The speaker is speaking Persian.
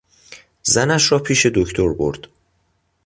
زنش را پیش دکتر برد.